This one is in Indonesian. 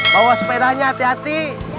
bawa sepedanya hati hati